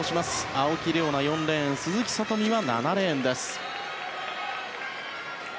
青木玲緒樹は４レーン鈴木聡美は７レーンです。